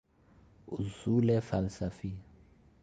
اصول فلسفی